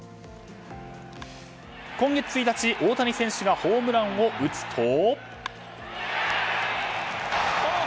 今月１日、大谷選手がホームランを打つと。